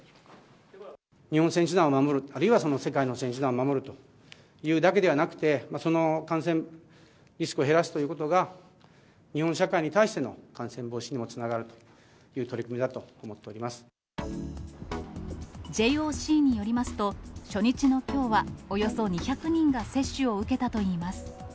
日本選手団を守る、あるいは世界の選手団を守るというだけではなくて、その感染リスクを減らすということが、日本社会に対しての感染防止にもつながるという取り組みだと思っＪＯＣによりますと、初日のきょうは、およそ２００人が接種を受けたといいます。